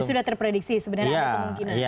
sudah terprediksi sebenarnya ada kemungkinan